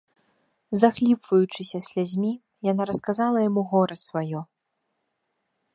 Захліпваючыся слязьмі, яна расказала яму гора сваё.